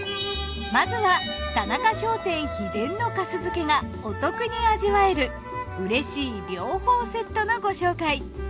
まずは田中商店秘伝の粕漬けがお得に味わえるうれしい両方セットのご紹介。